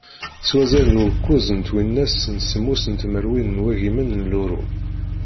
S wazal n wukuẓ n twinas d semmus n tmerwin n wagimen n luru.